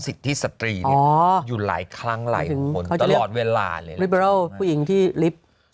สิทธิสตรีอยู่หลายครั้งหลายคนตลอดเวลาเลยผู้หญิงที่ริฟท์